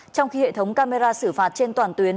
trong khi hệ thống camera xử phạt trên toàn tuyến